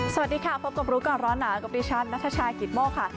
สวัสดีค่ะพบกับรู้ก่อนร้อนหนาวกับดิฉันนัทชายกิตโมกค่ะ